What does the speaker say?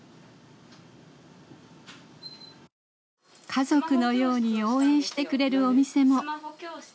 家族のように応援してくれるお店も。